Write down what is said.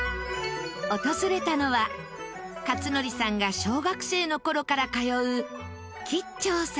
訪れたのは克典さんが小学生の頃から通う吉兆さん。